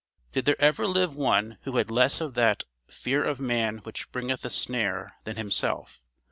Did there ever live one who had less of that "fear of man which bringeth a snare," than himself?